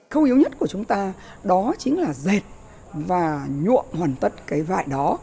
câu yếu nhất của chúng ta đó chính là dệt và nhuộm hoàn tất cái vại đó